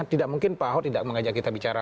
tidak mungkin pak ahok tidak mengajak kita bicara